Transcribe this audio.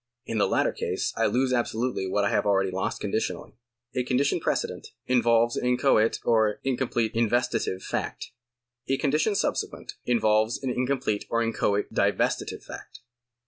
In the latter case I lose absolutely Avhat I have already lost conditionally. A condition prece dent involves an inchoate or incomplete investitive fact ; a condition subsequent involves an incomplete or inchoate divestitive fact.